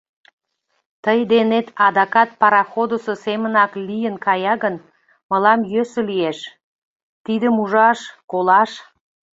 Тый денет адакат пароходысо семынак лийын кая гын, мылам йӧсӧ лиеш... тидым ужаш, колаш.